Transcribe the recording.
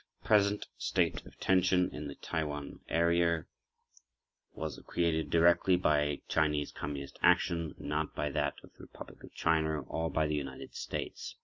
The present state of tension in the Taiwan area was created directly by Chinese Communist action, not by that of the Republic of China or by the United States.